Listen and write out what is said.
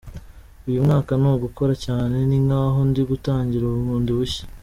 Uyu mwaka ni ugukora cyane, ni nk’aho ndi gutangira bundi bushya.